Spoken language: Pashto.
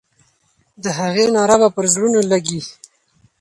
د هغې ناره به پر زړونو لګي.